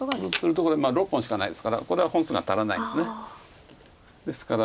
そうすると６本しかないですからこれは本数が足らないです。